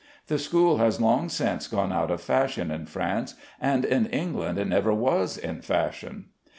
The school has long since gone out of fashion in France, and in England it never was in fashion.